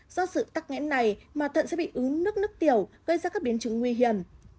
do sự tắc nghẽn này mà thận sẽ bị ún nước nước tiểu gây ra các biến chứng nguy hiểm